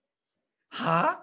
はあ？